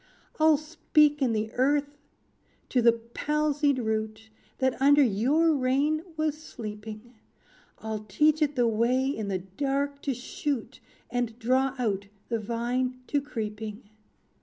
"I'll speak in the earth to the palsied root, That under your reign was sleeping; I'll teach it the way in the dark to shoot, And draw out the vine to creeping.